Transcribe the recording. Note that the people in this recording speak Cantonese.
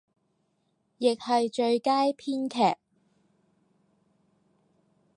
亦係最佳編劇